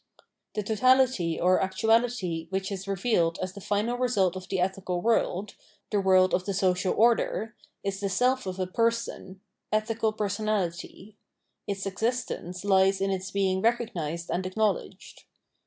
The totality or actuality which is revealed as the final result of the ethical world, the world of the social order, is the self of a Person, ethical personality : its existence lies in its being recognised and acknowledged.